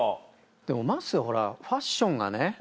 でもまっすーほらファッションがね。